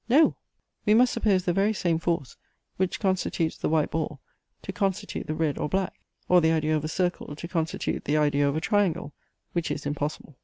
No! we must suppose the very same force, which constitutes the white ball, to constitute the red or black; or the idea of a circle to constitute the idea of a triangle; which is impossible.